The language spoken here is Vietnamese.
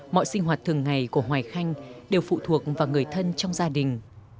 mọi sinh hoạt thường ngày của hoài khanh đều phụ thuộc vào người thân trong gia đình